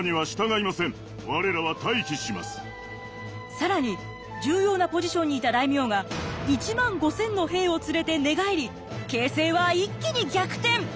更に重要なポジションにいた大名が１万５，０００の兵を連れて寝返り形成は一気に逆転！